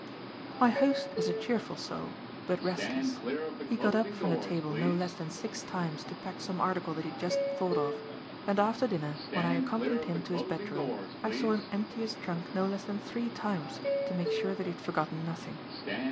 My host was a cheerful soul, but restless. He got up from the table no less than six times to pack some article that he had just thought of; and after dinner, when I accompanied him to his bedroom, I saw him empty his trunk no less than three times to make sure that he had forgotten nothing.